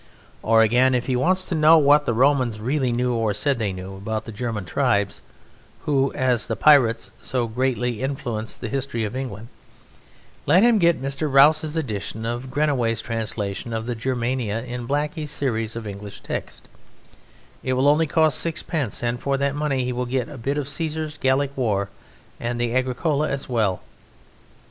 Or again, if he wants to know what the Romans really knew or said they knew about the German tribes who, as pirates, so greatly influenced the history of England, let him get Mr. Rouse's edition of Grenewey's translation of the Germania in Blackie's series of English texts; it will only cost sixpence, and for that money he will get a bit of Caesar's Gallic War and the Agricola as well.